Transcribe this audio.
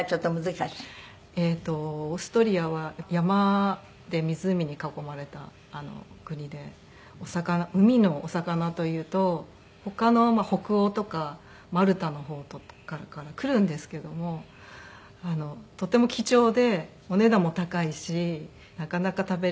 オーストリアは山で湖に囲まれた国で海のお魚というと他の北欧とかマルタの方とかから来るんですけどもとても貴重でお値段も高いしなかなか食べる事ができなくて。